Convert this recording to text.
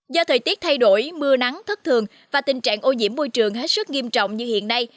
do thời tiết thay đổi mưa nắng thất thường và tình trạng ô nhiễm môi trường hết sức nghiêm trọng như hiện nay